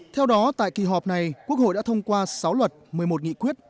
theo đó tại kỳ họp này quốc hội đã thông qua sáu luật một mươi một nghị quyết